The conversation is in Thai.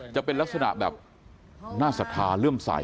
จะเป็นลักษณะแบบน่าศรัทธาเลื่อมใส